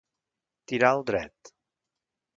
Tirar al dret.